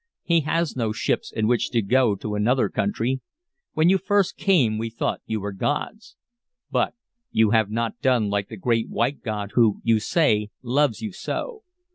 He has no ships in which to go to another country. When you first came we thought you were gods; but you have not done like the great white God who, you say, loves you so.